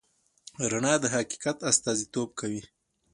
رڼا د حقیقت استازیتوب کوي.